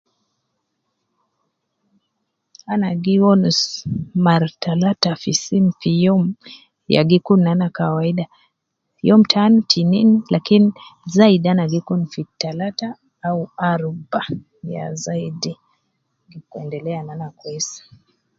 Ana gi wonus mar talata fi sim fi youm ya gi kun nana kawaida, youm tan tinin lakin zaidi ana gi kun fi talata au aruba ya zaidi, endelea nana kwesi